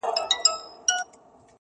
• چیغي ته یې له سوات څخه تر سنده -